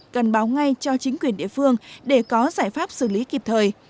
cần báo ngay cho chính quyền địa phương để có giải pháp xử lý kịp thời